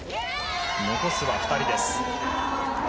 残すは２人です。